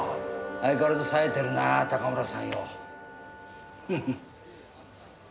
相変わらずさえてるな高村さんよ。